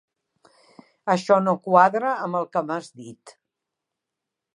Això no quadra amb el que m'has dit.